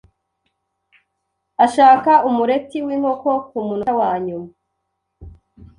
Ashaka umureti w’inkoko ku munota wanyuma.